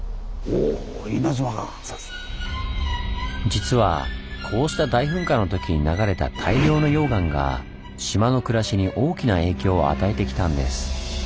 実はこうした大噴火の時に流れた大量の溶岩が島の暮らしに大きな影響を与えてきたんです。